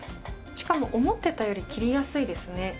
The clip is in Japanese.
しかも思ってたより切りやすいですね。